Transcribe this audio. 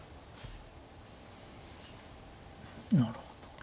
なるほど。